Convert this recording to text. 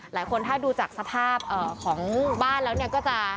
หลายคนถ้าดูจากสภาพของบ้านแล้วเนี่ยก็จะ